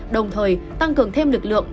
đồng thời tăng cường thêm lực lượng